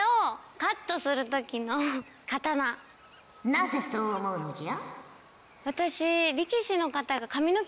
なぜそう思うのじゃ？